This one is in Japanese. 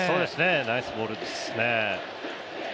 ナイスボールですね。